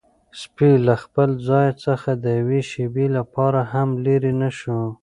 سپی له خپل ځای څخه د یوې شېبې لپاره هم لیرې نه شو.